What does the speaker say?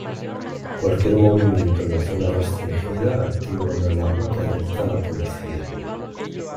Cualquier movimiento en la zona restringida activa una alarma que alerta a la policía.